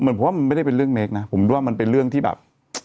เหมือนผมว่ามันไม่ได้เป็นเรื่องเล็กนะผมคิดว่ามันเป็นเรื่องที่แบบ